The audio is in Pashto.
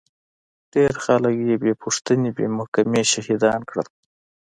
ډېر خلک يې بې پوښتنې بې محکمې شهيدان کړل.